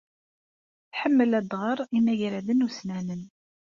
Tḥemmel ad tɣer imagraden ussnanen.